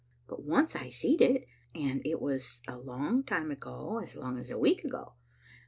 But once I see'd it, and it was a long time ago, as long as a week ago.